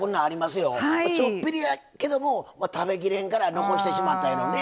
ちょっぴりやけども食べきれんから残してしまったようなね。